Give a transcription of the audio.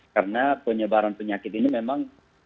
karena penyebaran penyakit ini memang